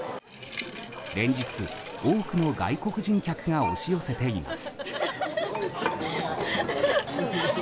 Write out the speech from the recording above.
連日、多くの外国人客が押し寄せています。